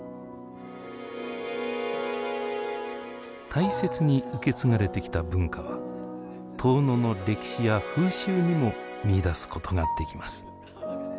大切に受け継がれてきた文化は遠野の歴史や風習にも見いだすことができます。